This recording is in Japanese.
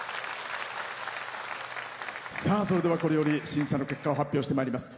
それよりこれより審査の結果発表してまいります。